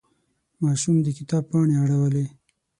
ماشوم د کتاب پاڼې اړولې.